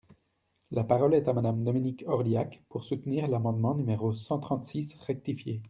La parole est à Madame Dominique Orliac, pour soutenir l’amendement numéro cent trente-six rectifié.